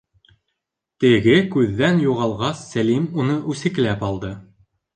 Теге күҙҙән юғалғас, Сәлим уны үсекләп алды.